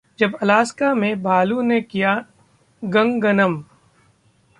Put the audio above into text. जब अलास्का में भालू ने किया गंगनम!